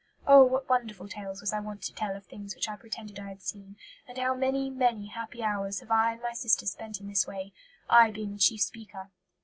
Oh, what wonderful tales was I wont to tell of things which I pretended I had seen, and how many, many happy hours have I and my sister spent in this way, I being the chief speaker."